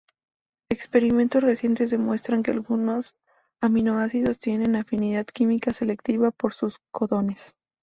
Experimentos recientes demuestran que algunos aminoácidos tienen afinidad química selectiva por sus codones.